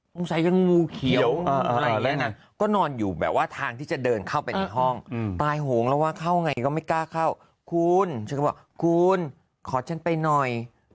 สงสัยยังงูเขียวอะไรอย่างนี้นะก็นอนอยู่แบบว่าทางที่จะเดินเข้าไปในห้องตายโหงแล้วว่าเข้าไงก็ไม่กล้าเข้าคุณฉันก็บอกคุณขอฉันไปหน่อย